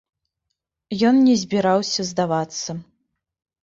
Ён не збіраўся здавацца.